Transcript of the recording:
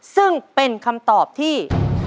ซึ่งเป็นคำตอบที่